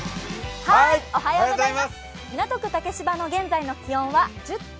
港区竹芝の現在の気温は１０．１度。